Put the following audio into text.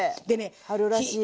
春らしい。